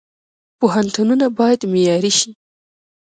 پوهنتونونه باید معیاري شي